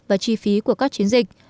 và chi phí của các chiến dịch